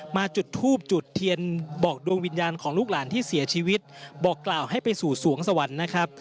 จุดทูบจุดเทียนบอกดวงวิญญาณของลูกหลานที่เสียชีวิตบอกกล่าวให้ไปสู่สวงสวรรค์นะครับ